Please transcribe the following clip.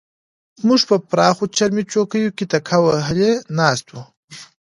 موږ په پراخو چرمي چوکیو کې تکیه وهلې ناست وو.